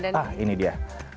nah ini dia